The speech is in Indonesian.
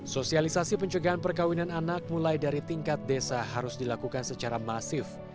sosialisasi pencegahan perkawinan anak mulai dari tingkat desa harus dilakukan secara masif